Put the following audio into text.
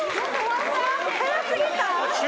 早すぎた。